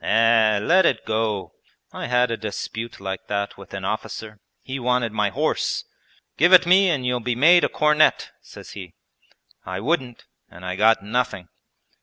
'Eh, let it go! I had a dispute like that with an officer, he wanted my horse. "Give it me and you'll be made a cornet," says he. I wouldn't, and I got nothing!'